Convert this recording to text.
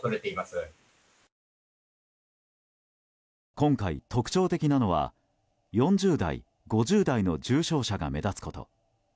今回、特徴的なのは４０代、５０代の重症者が目立つこと。